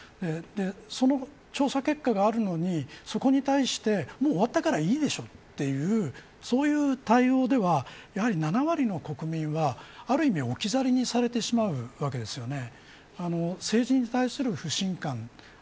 その調査結果があるのにそこに対して終わったからいいでしょっていうそういう対応では７割の国民はある意味、置き去りにされてしまうわけですよね。